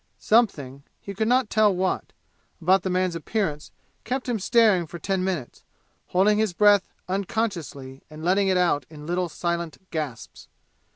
Something he could not decide what about the man's appearance kept him staring for ten minutes, holding his breath unconsciously and letting it out in little silent gasps.